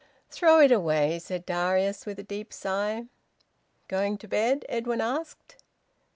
"Throw it away," said Darius, with a deep sigh. "Going to bed?" Edwin asked.